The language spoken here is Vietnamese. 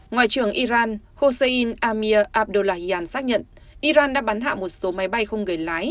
ngoại trưởng iran hossein amir abdullahian xác nhận iran đã bắn hạ một số máy bay không gửi lái